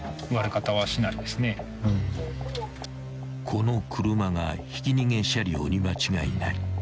［この車がひき逃げ車両に間違いない］